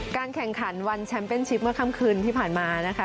แข่งขันวันแชมป์เป็นชิปเมื่อค่ำคืนที่ผ่านมานะคะ